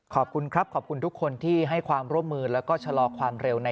ขอบคุณครับขอบคุณทุกคนที่ให้ความร่วมมือ